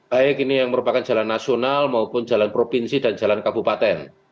baik ini yang merupakan jalan nasional maupun jalan provinsi dan jalan kabupaten